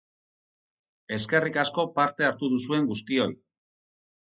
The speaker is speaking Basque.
Eskerrik asko parte hartu duzuen guztioi.